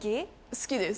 好きです。